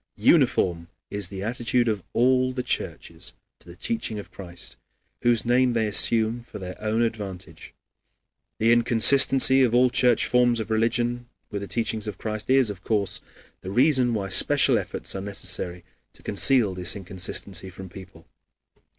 Uniform is the attitude of all the churches to the teaching of Christ, whose name they assume for their own advantage. The inconsistency of all church forms of religion with the teaching of Christ is, of course, the reason why special efforts are necessary to conceal this inconsistency from people.